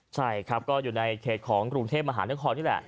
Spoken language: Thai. ใช่ครับก็อยู่ในเขตของกรุงเทพมหานครนี่แหละ